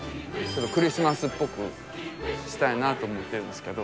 クリスマスっぽくしたいなって思ってるんですけど。